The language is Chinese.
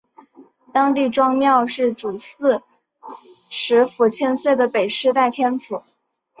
当地庄庙是主祀池府千岁的北势代天府。